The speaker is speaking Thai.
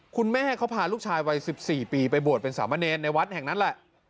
คุณแม่เขาพาลูกชายวัย๑๔ปีไปบวชเป็นสามเณรในวัดแห่งนั้นแหละ